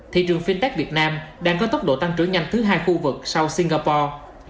thị trường fintech việt nam đang có tốc độ tăng trưởng nhanh thứ hai khu vực sau singapore